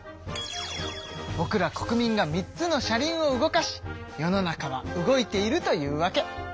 ぼくら国民が３つの車輪を動かし世の中は動いているというわけ。